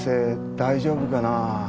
大丈夫かなあ。